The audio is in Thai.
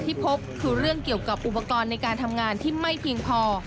พื้นที่ทราบว่าปัญหาที่พบคือเรื่องเกี่ยวกับอุปกรณ์ในการทำงานที่ไม่เพียงพอ